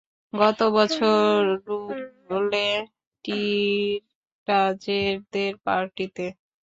গতবছর ডুভলে টিটাজেরদের পার্টিতে?